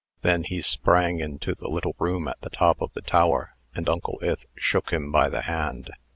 Then he sprang into the little room at the top of the tower, and Uncle Ith shook him by the hand.